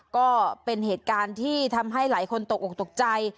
ก็เป็นเหตุการณ์ที่ทำให้หลายคนตกออกตกใจ